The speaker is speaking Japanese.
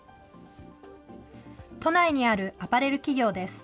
都内にあるアパレル企業です。